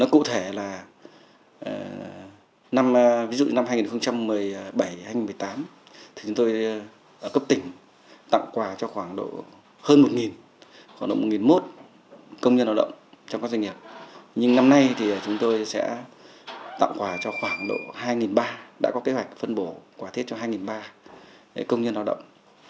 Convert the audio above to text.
cho khoảng độ hai ba trăm linh đã có kế hoạch phân bổ quả tết cho hai ba trăm linh công nhân lao động